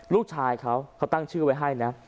ลูกชายเขาเขาตั้งชื่อไว้ให้นะ